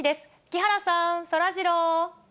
木原さん、そらジロー。